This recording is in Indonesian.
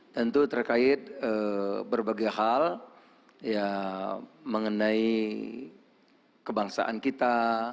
tentu terkait berbagai hal mengenai kebangsaan kita